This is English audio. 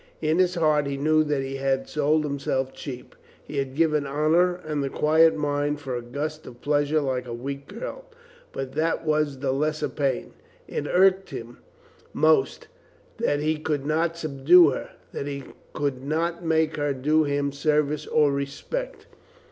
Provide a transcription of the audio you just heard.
In his heart he knew that he had sold himself cheap. He had given honor and the quiet mind for a gust of pleasure like a weak girl. But that was the lesser pain. It irked most that he could not subdue her, that he could not make her do him service or respect.